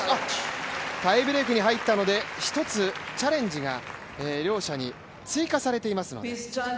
タイブレークに入ったので１つチャレンジが両者に追加されています。